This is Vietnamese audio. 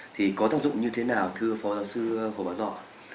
thì có tác dụng như thế nào thưa phó giáo sư hồ bảo dọc